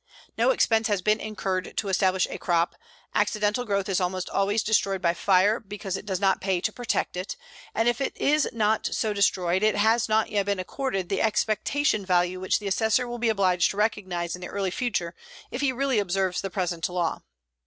No expense has been incurred to establish a crop, accidental growth is almost always destroyed by fire because it does not pay to protect it, and if it is not so destroyed it has not yet been accorded the expectation value which the assessor will be obliged to recognize in the early future if he really observes the present law.